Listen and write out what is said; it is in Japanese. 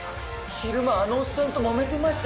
昼間あのおっさんともめてましたよね。